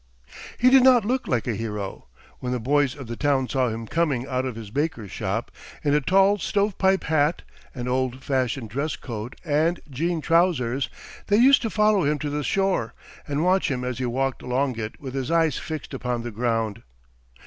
He did not look like a hero. When the boys of the town saw him coming out of his baker's shop, in a tall stove pipe hat, an old fashioned dress coat and jean trousers, they used to follow him to the shore, and watch him as he walked along it with his eyes fixed upon the ground.